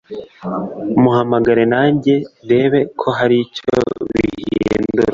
muhamagare najye ndebe ko haricyo bihindura